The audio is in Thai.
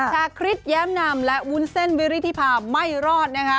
ชาคริสแย้มนำและวุ้นเส้นวิริธิพาไม่รอดนะคะ